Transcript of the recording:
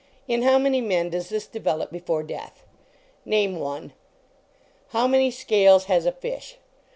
In how many men does this develop before death ? Name one. How many scales has a fish